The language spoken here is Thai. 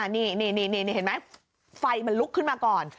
นี่เห็นไหมไฟมันลุกขึ้นมาก่อน